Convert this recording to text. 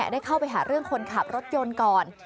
ได้เข้าไปหาเรื่องคนขับรถยนต์ก่อน